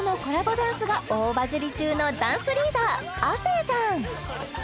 ダンスが大バズり中のダンスリーダー亜生さん